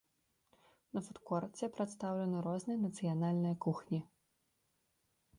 На фуд-корце прадстаўлены розныя нацыянальныя кухні.